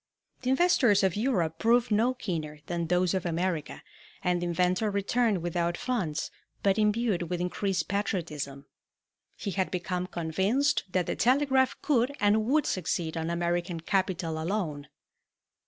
The investors of Europe proved no keener than those of America, and the inventor returned without funds, but imbued with increased patriotism. He had become convinced that the telegraph could and would succeed on American capital alone.